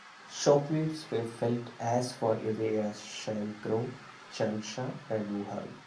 Shockwaves were felt as far away as Shangrao, Changsha, and Wuhan.